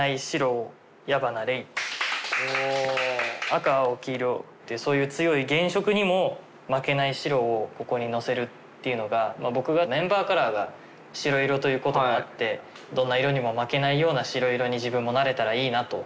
赤青黄色っていうそういう強い原色にも負けない白をここにのせるっていうのが僕がメンバーカラーが白色ということもあってどんな色にも負けないような白色に自分もなれたらいいなと。